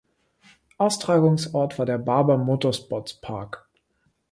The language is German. Austragungsort war der Barber Motorsports Park.